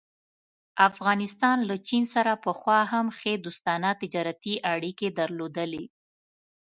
افغانستان له چین سره پخوا هم ښې دوستانه تجارتي اړيکې درلودلې.